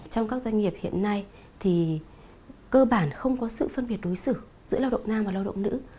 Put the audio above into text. trong các doanh nghiệp hiện nay thì cơ bản không có sự phân biệt đối xử giữa lao động nam và lao động nữ